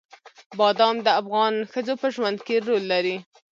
بادام د افغان ښځو په ژوند کې رول لري.